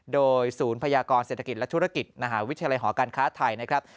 โดยศูนย์พยากรเศรษฐกิจและธุรกิจมหาวิทยาลัยหอการค้าไทยนะครับ